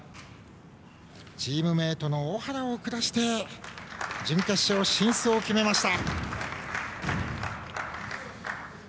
チームメートの尾原を下して準決勝進出を決めました。